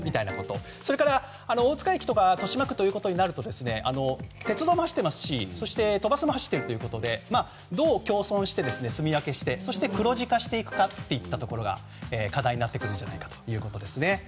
それから大塚駅とか豊島区となると鉄道も走っていますしそして都バスも走ってるということでどう共存してすみ分けして黒字化していくかといったところが課題になってくるんじゃないかということでした。